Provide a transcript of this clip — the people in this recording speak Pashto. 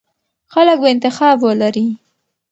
خلک به انتخاب ولري.